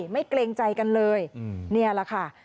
เกรงใจกันเลยนี่แหละค่ะ